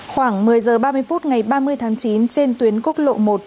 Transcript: khoảng một mươi h ba mươi phút ngày ba mươi tháng chín trên tuyến quốc lộ một